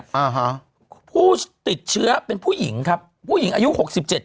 อ่าฮะผู้ติดเชื้อเป็นผู้หญิงครับผู้หญิงอายุหกสิบเจ็ด